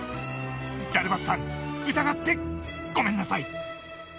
ジャルバスさん疑ってごめんなさい。